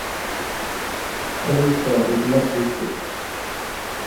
کھوینگ سہ حکمت دُوکتُوک